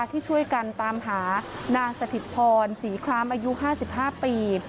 ที่ช่วยกันตามหานางสถิตพรศรีครามอายุ๕๕ปี